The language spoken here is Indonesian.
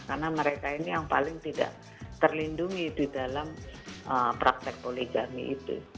karena mereka ini yang paling tidak terlindungi di dalam praktek poligami itu